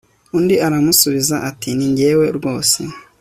undi aramusubiza ati ni jyewe rwose